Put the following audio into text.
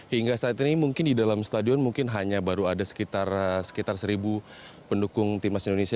hingga saat ini mungkin di dalam stadion mungkin hanya baru ada sekitar seribu pendukung timnas indonesia